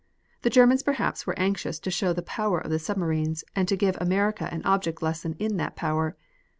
The Germans perhaps were anxious to show the power of the submarines, and to give America an object lesson in that power.